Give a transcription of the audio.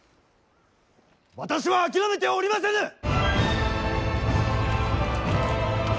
私は諦めてはおりませぬ！